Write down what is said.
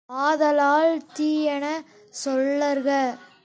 ஆதலால், தீயன சொல்லற்க.